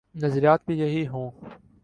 نظریات بھی یہی ہوں۔